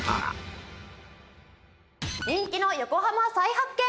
人気の横浜再発見！